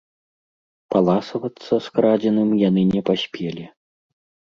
Паласавацца скрадзеным яны не паспелі.